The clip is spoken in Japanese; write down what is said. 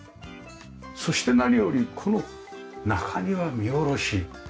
そして何よりこの中庭見下ろし。